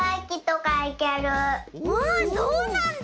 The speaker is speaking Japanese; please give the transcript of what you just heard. うんそうなんだ！